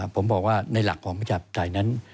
ผมบอกว่าในหลักของประชาติศาสตร์ใดนั้น